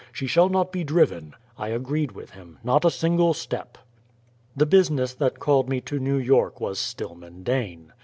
She shall not be driven." I agreed with him not a single step! The business that called me to New York was Stillman Dane.